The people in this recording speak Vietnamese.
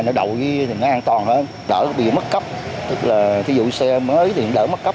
nó đậu dưới thì nó an toàn hơn đỡ ví dụ mất cấp tức là ví dụ xe mới thì đỡ mất cấp